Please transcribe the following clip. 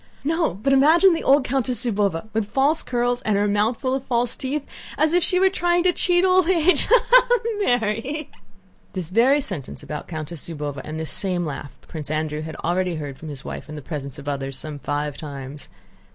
"No, but imagine the old Countess Zúbova, with false curls and her mouth full of false teeth, as if she were trying to cheat old age.... Ha, ha, ha! Mary!" This very sentence about Countess Zúbova and this same laugh Prince Andrew had already heard from his wife in the presence of others some five times.